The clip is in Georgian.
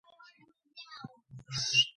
საქართველო მევენახეობის ერთ-ერთი უძველესი კერაა.